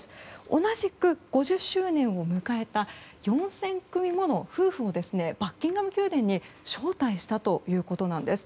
同じく５０周年を迎えた４０００組もの夫婦をバッキンガム宮殿に招待したということなんです。